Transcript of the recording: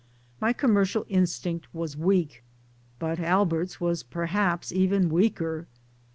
My commercial instinct was weak, but Albert's was perhaps even weaker